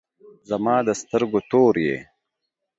زما د سترګو تور یی